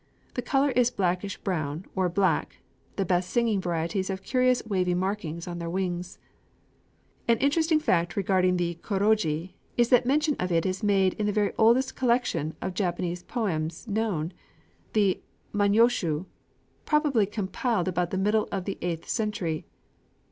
The color is blackish brown, or black; the best singing varieties have curious wavy markings on the wings. [Illustration: EMMA KŌROGI (natural size).] An interesting fact regarding the kōrogi is that mention of it is made in the very oldest collection of Japanese poems known, the Manyōshu, probably compiled about the middle of the eighth century.